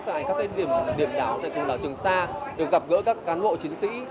tại các cái điểm đảo tại quần đảo trường sa được gặp gỡ các cán bộ chiến sĩ